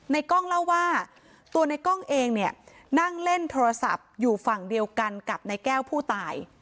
กล้องเล่าว่าตัวในกล้องเองเนี่ยนั่งเล่นโทรศัพท์อยู่ฝั่งเดียวกันกับนายแก้วผู้ตาย